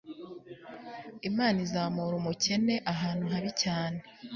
Imana izamura umukene ahantu habi cyane